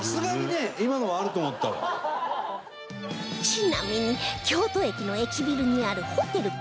ちなみに京都駅の駅ビルにあるホテル